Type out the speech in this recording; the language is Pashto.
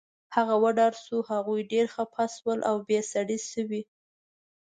هغه وډار شو، هغوی ډېر خفه شول، اوبې سړې شوې